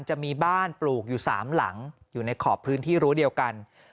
จะมีบ้านปลูกอยู่๓หลังอยู่ในขอบพื้นที่รั้วเดียวกัน